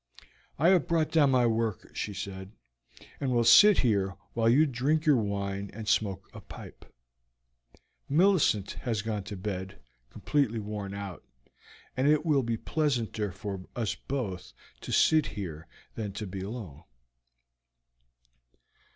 "I have brought down my work," she said, "and will sit here while you drink your wine and smoke a pipe. Millicent has gone to bed, completely worn out, and it will be pleasanter for us both to sit here than to be alone."